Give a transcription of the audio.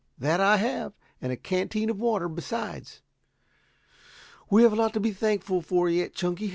"That I have, and a canteen of water besides. We have a lot to be thankful for yet, Chunky.